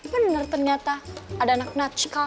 bener ternyata ada anak anak cikal